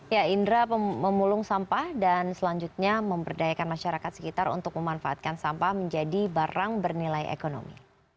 ya indra memulung sampah dan selanjutnya memberdayakan masyarakat sekitar untuk memanfaatkan sampah menjadi barang bernilai ekonomi